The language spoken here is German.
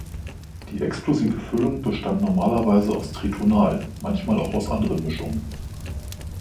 Die explosive Füllung bestand normalerweise aus Tritonal, manchmal auch aus anderen Mischungen.